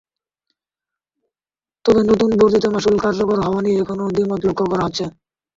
তবে নতুন বর্ধিত মাশুল কার্যকর হওয়া নিয়ে এখনো দ্বিমত লক্ষ করা যাচ্ছে।